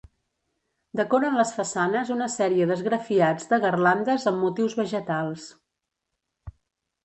Decoren les façanes una sèrie d'esgrafiats de garlandes amb motius vegetals.